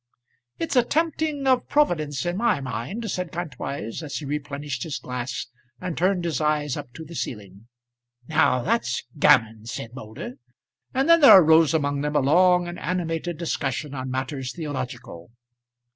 "It's a tempting of Providence in my mind," said Kantwise, as he replenished his glass, and turned his eyes up to the ceiling. "Now that's gammon," said Moulder. And then there arose among them a long and animated discussion on matters theological.